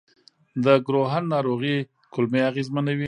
د کروهن ناروغي کولمې اغېزمنوي.